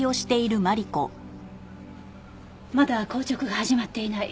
まだ硬直が始まっていない。